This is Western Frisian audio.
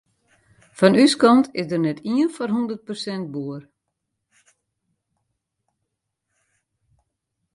Fan ús kant is der net ien foar hûndert persint boer.